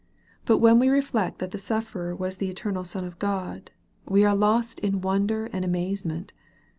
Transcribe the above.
But when we reflect MARK, CHAP. XV. 341 that the sufferer was the eternal Son of God, we are lost in wonder and amazement.